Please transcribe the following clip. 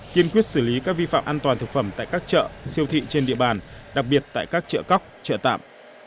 kiên quyết xử lý các vi phạm an toàn thực phẩm tại các chợ siêu thị trên địa bàn đặc biệt tại các chợ cóc chợ tạm